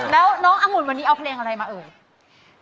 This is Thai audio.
แล้วน้องอังุ่นวันนี้เอาเพลงอะไรมาเอ่ย